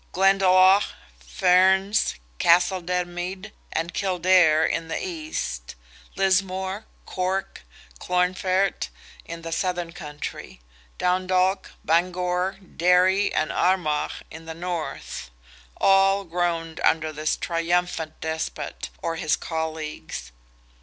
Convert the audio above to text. Glendalough, Ferns, Castle Dermid, and Kildare in the east; Lismore, Cork, Clonfert, in the southern country; Dundalk, Bangor, Derry, and Armagh in the north; all groaned under this triumphant despot, or his colleagues.